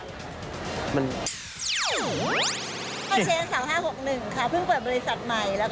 ข้อเชียง๓๕๖๑ค่ะเพิ่งเปิดบริษัทใหม่